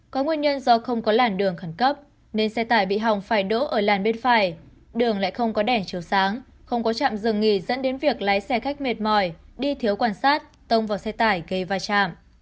có nguyên nhân do không có làn đường khẩn cấp nên xe tải bị hỏng phải đỗ ở làn bên phải đường lại không có đèn chiều sáng không có trạm dừng nghỉ dẫn đến việc lái xe khách mệt mỏi đi thiếu quan sát tông vào xe tải gây va chạm